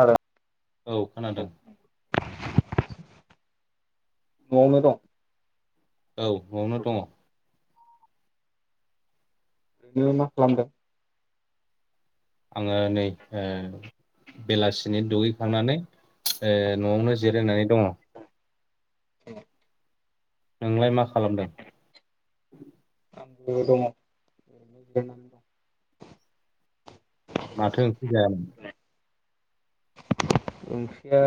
आरो औ खोनादों। न'आवनो दं। औ न'आवनो दङ। नोङो मा खालामदों? आङो नै ओ बेलासिनि दुगैखांनानै ओ न'आवनो जिरायनानै दङ। औ नोंलाय मा खालामदों। आंबो दङ माथो ओंख्रि जायामोन? ओंख्रिया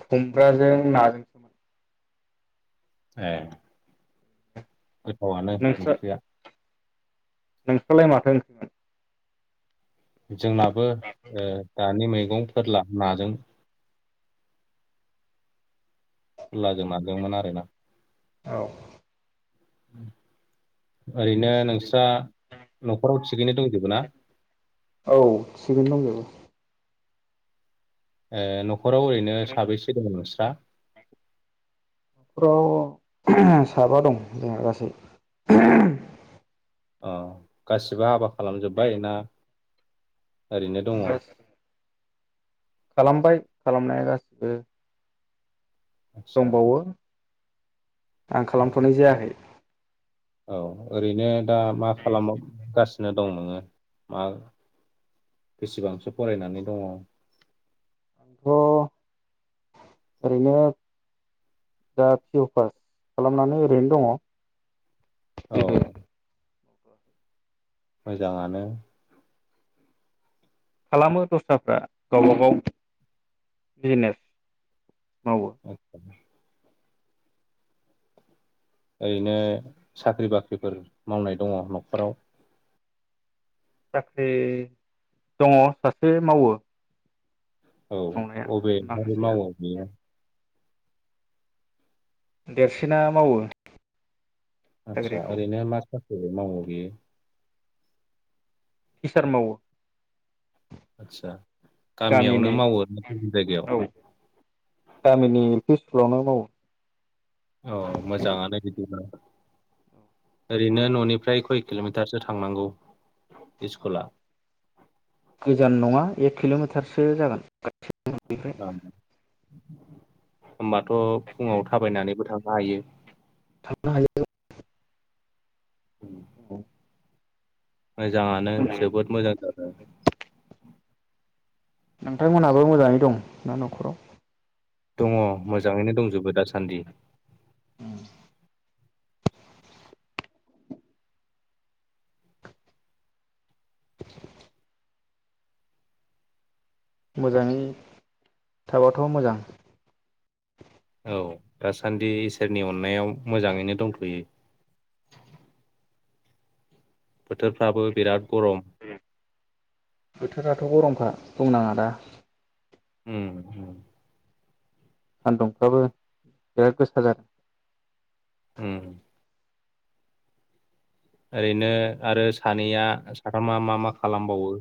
खुमब्राजों ना एह गोथावआनो ओंख्रिया। नोंसोरालाय माथो ओंं जोंनाबो ओ दानि मैगं फोरला नाजों फोरलाजों नाजोंमोन आरो ना। औ उम ओरैनो नोंस्रा न'खराव थिगैनो दंजोबो ना? औ थिगैनो दंजोबो एह न' ख'राव ओरैनो साबैसे दङ नोंस्रा? न'खराव साबा दं जोंहा गासै। अ गासिबो हाबा खालामजोब्बाय ना ओरैनो दङ। खालामबाय खालामनाया गासिबो आदसा दंबावो आं औ खालामथ'नाय जायाखै। औ ओरैनो दा मा खालाम गासि नो दं नोङो मा बेसेबांसो फरायनानै दङ? आंथ' ओरैनो दा पि अ पास खालामनानै ओरैनो दङ। औ। जेबो मोजाङानो खालामो दस्राफ्रा गावबा गाव बिजनेस मावो आतसा। ओरैनो साख्रि बाख्रिफोर मावनाय दङ न'खराव? साख्रि दङ सासे मावो। औ मावनाया अबे हाय माखासेया मावो बेयो? देरसिना मावो। आदसा साख्रिखौ ओरैनो मा [unintelligible] टिसार मावो आथसा गामियावनो गामिनि मावो ना गुबुन जायगायाव? औ गामिनि एल फि स्कुलावनो मावो। औ मोजाङानो बिदिबा ओरैनो न'निफ्राय खय किल मिटारसो थांनांगौ इस्कुला? गोजान नङा एक [unintelligible] जागोन। ओम। होमबाथ' फुङाव थाबायनानैबो थांनो हायो। थांनो हायो। उम। मोजाङानो जोबोद मोजां। जादों नोंथांमोनहाबो मोजाङै दं ना नखराव? दङ मोजाङैनो दंजोबो दासान सानदि मोजाङै थाबाथ' मोजां। औ दासान्दि इसोरनि अननायाव मोजाङैनो दंथ'यो। बोथोरफ्राबो बिराद गरम। बोथोराथ' गरमखा बुंनाङा दा होम ओ। सान्दुंफ्राबो बिराद गोसा जादों ओम। ओरैनो आरो सानैया आरो मा मा मा खालामबावो?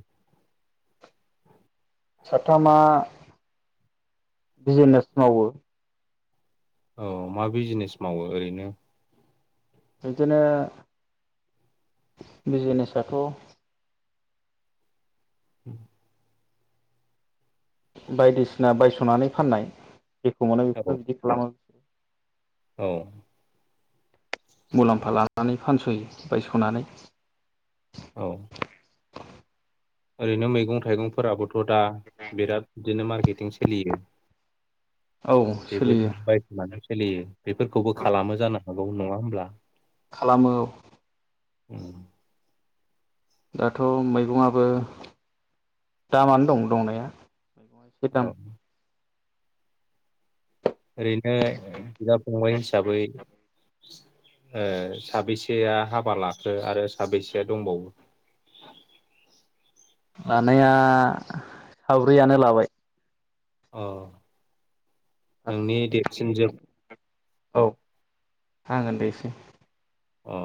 साथामा बिजिनेस मावो। औ मा बिजिनेस मावो ओरैनो? बिदिनो बिजिनेसाथ' [inaudible] बायदिसिना बायसनानै फाननाय जेखौ मोनो औ बेखौनो बिदि खालामो औ मुलाम्फा लानानै फानसयो बायसनानै औ ओरैनो मैगं थाइगंफोराबोथ थदा बिराद बिदिनो मार्केटिं सोलियो औ बेबो सोलियो बायस'नानै सोलियो बेफोरखौबो खालामो जाना [unintelligible] नङा होनोमब्ला खालामो औ ओम दाथ मैगंआबो दामानो दं दंनाया मैगंआ एसे औ दाम ओरैनो बिदा फंबाय हिसाबै ओ साबेसेया हाबा लाखो आरो साबेसेया दंबावो? लानाया साब्रैयानो लाबाय औ औ आं ओनदैसिन अ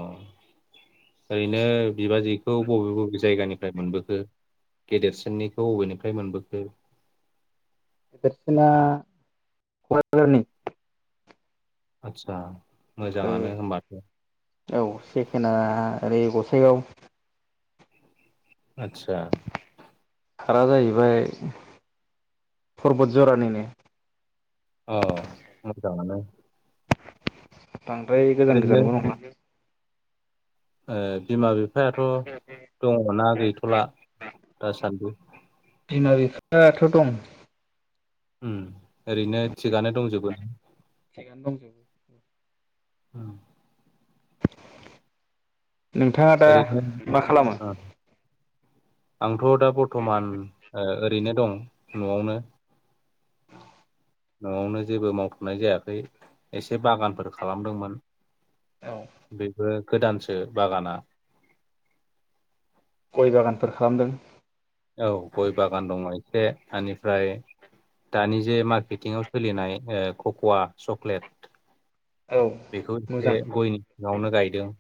ओरैनो बिबाजैखौ बबे बबे जायगानिफ्राय मोनबोखो गेदेरसिननिखौ बबेनिफ्राय मोनबोखो बेेरसिना कक्राझारनि आतसा ओमफ्राय औ सेकेणडआ ओरै [unintelligible] आतसा रा जाहैबाय परबत जरानिनो अ म जानो [unintelligible] बांद्राय गोजान गोजानबो नंङा ओ बिमा बिफायाथ' दङ ना गैथ'ला दासान्दि बिमा बिफायाथ दं ओम ओरैनो थिगानो दंजोबो [inaudible] औ नोंथाङा दा मा खालामो? आं थ' दा बर्थमान ओ ओरैनो दं। न'आवनो। न'आवनो जेबो मावथनाय जायाखै ए से बागानफोर खालामदोंमोन। औ बेफोर गोदानसो बागाना। गय बागानफोर खालामदों। बे ओनिफ्राय दानि जे मार्केटिंआव सोलिनाय ओ कक'वा चक्लेट औ बेखौ एसे मोजां गयनि सिङावनो गायदों।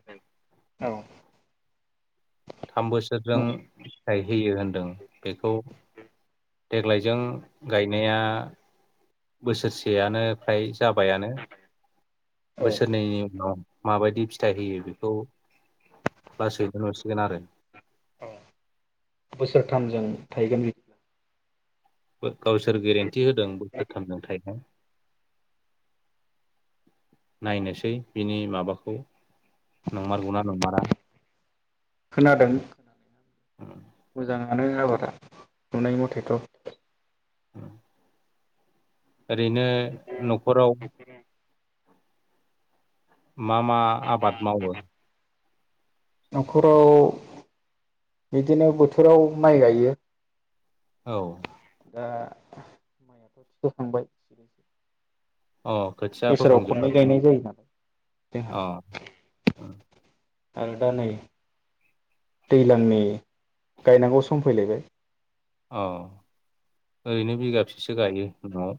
औ। थाम बोसोरजों फिथाय होयो होन्दों। बेखौ देग्लायजों गायनाया बोसोरसेयानो फ्राय जाबायानो। औ बोसोरनैनि उनाव माबायदि फिथाइ होयो बेखौ [inaudible] आरो। औ बोसोरथामजों थायगोन बि बो गावसोर गेरेन्टि होदों बोसोरथामजों थायगोन नायनोसै बिनि माबाखौ नंमारगौना नंमारा। खोनादों। मोजां। [inaudible] नुनाय मथेथ'। औ। ओरैनो नखराव मा मा आबाद मावो? नखराव बिदिनो बोथोराव माइ गायो। औ। दा फोखांबाय। अ खोथिया बोसोराव फोखांजोब्बाय खननै गायनाय जायो ना अ ओं। आरो दा नै दैलांनि गायनांगौ सम फैलायबाय। अ ओरैनो बिगाब बैसेसो गायो न'आव?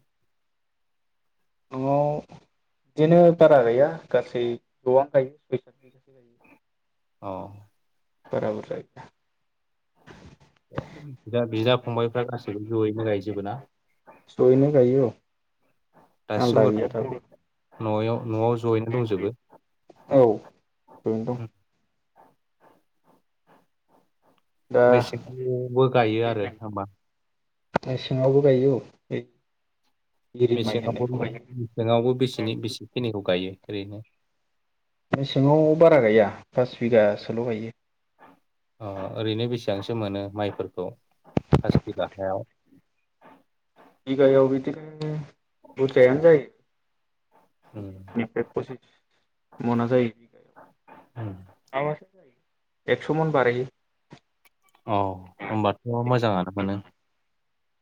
न'आव बिदिनो बारा गैया गासै गोबां गायो [unintelligible] औ। बारा बुरजा गैया। बिदा फंबायफ्रा गासैबो जयैनो गायजोबो ना? जयैनो गायो औ आलादा दासिमबोथ' गैया दाबो न'याव न'आव जयैनो दंजोबो? औ जयैनो दं दा मेसेंबो गायो आरो हाबा मेसेंआवबो गायो औ बे एरि माइ मेसेङावबो होननायखौ गायो मेसेङावबो बेसेनि बेसेखिनिखौ गायो। ओरैनो मेसेङाव बारा गाया फास बिगासोल' गायो अ ओरैनो बेसेबांसो मोनो माइफोरखौ? पास बिगा हायाव बिगायाव बिदिनो बुरजायानो जायो। उम [unintelligible] फसिस मना जायो उम बिगायाव [inaudible] एकस' मन बारहैयो अ होनबाथ' मोजाङानो मोनो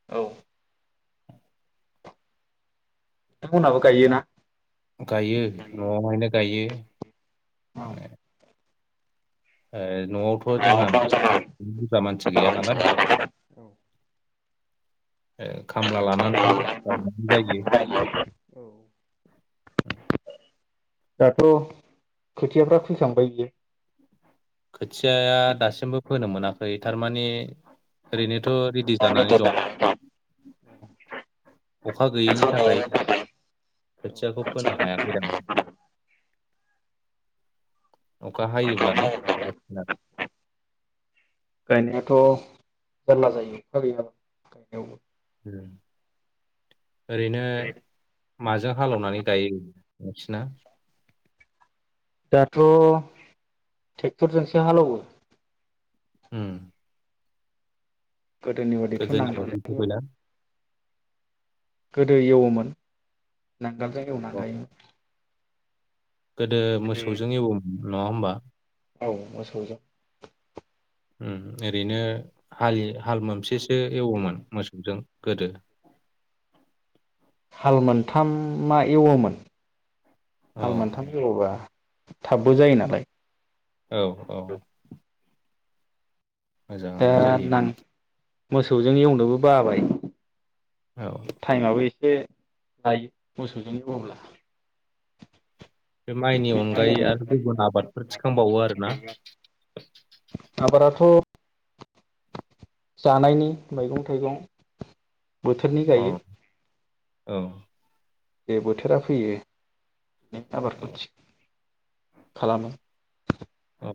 औ नोंथांमोनाबो गायोना? गायो न'आवहायनो गायो। औ [unintelligible] ओ न'आवथ' जोंहा बुरजा मानसि गैया नालाय ओ खामला लानानै गायनाय जायो दाथ' खोथियाफ्रा फोखांबाय इयो खोथियाया दासिमबो फोनो मोनाखै थारमाने ओरैनोथ' रेडि जानानै दं अखा गैयैनि थाखाय खोथियाखौ फोनो हायाखैदां अखा हायोब्लानो [unintelligible] गायनायाथ' जारला जायो अखा गैयाब्ला गायनायावबो उम ओरैनो माजों हालेवनानै गायो नोंसिना? दाथ' टेक्टरजोंसो हालौवो उम गोदोनि बादिथ' गोदोनि बायदि नांगोलजों फैबायना गोदो एवोमोन नांगोलजों हेवनानै अ गायोमोन गोदो मोसौजों एववो नंङा होमबा औ मोसौजों [unintelligible] ओरैनो हालि हाल मोनसे एवोमोन मोसौजों गोदो [inaudible] हाल मोनथामा एवोमोन अ हाल मोनथाम जौबा थाबबो जायो नालाय औ औ दा मोजांङानो जायो नां मोसौजों एवनोबो बाबाय औ टाइमाबो से लायो मोसौजों एवोब्ला बे माइनि अनगायै बेनिखायनो आरो गुबुन आबादफोर थिखांबावो आरो ना थ जानायनि मैगं थाइगं बोथोरनि औ गायो औ बे बोथोरा फैयो [unintelligible] खालामो [unintelligible] औ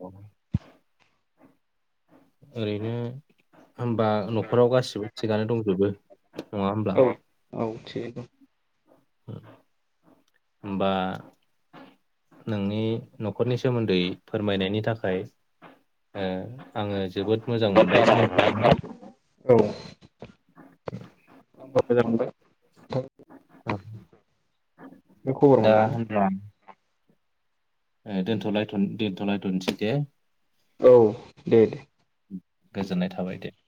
ओरैनो होमबा नखराव गासिबो थिगानो दंजोबो नंङा होमब्ला थिगै दं होमबा नोंनि नखरनि सोमोन्दै फोरमायनायनि थाखाय ओ आंङो जोबोद मोजां दं मोनबाय मोनथिनानै [inaudible] औ आंबो मोजां मोनबाय औ नो खबर मोननानै ए दोनथ‌ लायथ दोनथ लायथनोसै दे औ दे दे [inaudible] गोजोननाय थाबाय दे